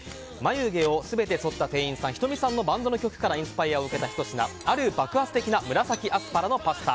眉毛を全てそった店員さんヒトミさんのバンドの曲からインスパイアを受けたひと皿ある爆発的な紫アスパラのパスタ。